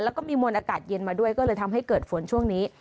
แล้วก็มีมวลอากาศเย็นมาด้วยก็เลยทำให้เกิดฝนช่วงนี้